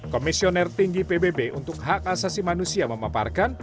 komisioner tinggi pbb untuk hak asasi manusia memaparkan